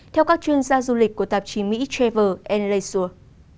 theo các chuyên gia du lịch của tạp chí mỹ travel leisure